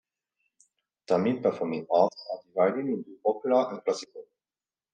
Tamil performing arts are divided into popular and classical.